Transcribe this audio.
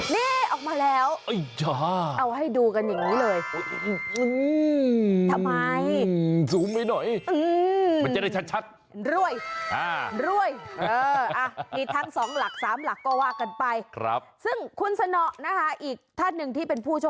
นี่ออกมาแล้วเอาให้ดูกันอย่างนี้เลย